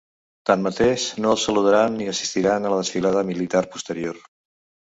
Tanmateix, no el saludaran ni assistiran a la desfilada militar posterior.